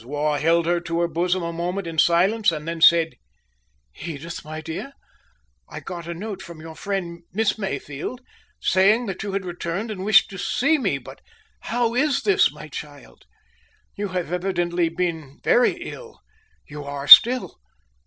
Waugh held her to her bosom a moment in silence, and then said: "Edith, my dear, I got a note from your friend, Miss Mayfield, saying that you had returned, and wished to see me. But how is this, my child? You have evidently been very ill you are still.